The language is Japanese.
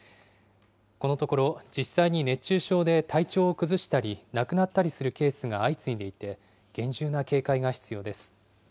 このところ、実際に熱中症で体調を崩したり、亡くなったりするケースが相次いでいて、厳重な警戒が必要です。